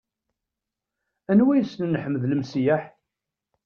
Anwa yessnen Ḥmed Lemseyyeḥ?